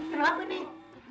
aduh kenapa nih